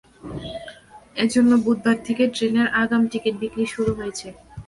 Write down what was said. এ জন্য বুধবার থেকে ট্রেনের আগাম টিকিট বিক্রি শুরু হয়েছে।